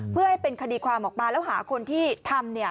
เพื่อให้เป็นคดีความออกมาแล้วหาคนที่ทำ